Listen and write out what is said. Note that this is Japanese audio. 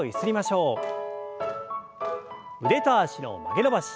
腕と脚の曲げ伸ばし。